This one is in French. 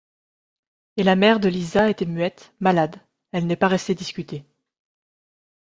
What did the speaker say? Et la mère de Liza était muette, malade, elle n’est pas restée discuter.